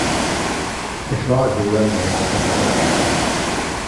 Això ajuda a enganyar els aprenents.